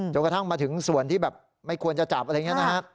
กระทั่งมาถึงส่วนที่แบบไม่ควรจะจับอะไรอย่างนี้นะฮะ